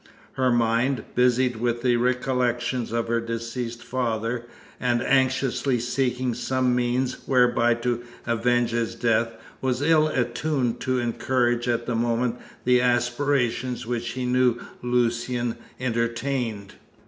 Her mind, busied with recollections of her deceased father, and anxiously seeking some means whereby to avenge his death, was ill attuned to encourage at the moment the aspirations which she knew Lucian entertained.